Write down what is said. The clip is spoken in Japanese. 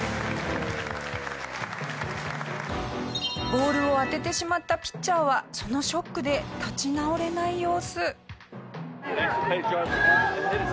ボールを当ててしまったピッチャーはそのショックで立ち直れない様子。